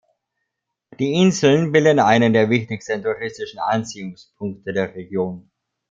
Die Inseln bilden einen der wichtigsten touristischen Anziehungspunkte der Region.